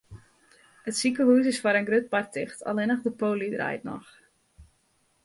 It sikehûs is foar in grut part ticht, allinnich de poly draait noch.